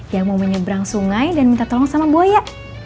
yang mau menyeberang sungai dan minta tolong sama buaya